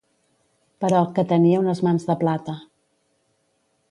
Però, que tenia unes mans de plata.